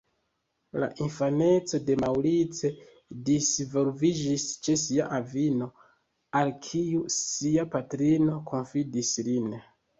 La infaneco de Maurice disvolviĝis ĉe sia avino, al kiu sia patrino konfidis lin.